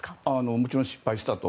もちろん失敗したと。